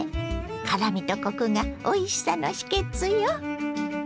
辛みとコクがおいしさの秘けつよ。